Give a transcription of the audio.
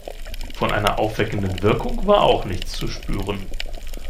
Von einer aufweckenden Wirkung war auch nichts zu spüren.